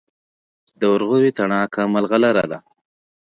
د ورغوي تڼاکه ملغلره ده.